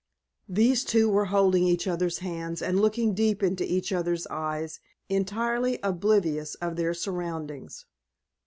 These two were holding each other's hands and looking deep into each other's eyes, entirely oblivious of their surroundings.